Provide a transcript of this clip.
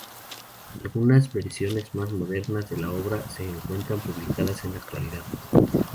Algunas versiones más modernas de la obra se encuentran publicadas en la actualidad.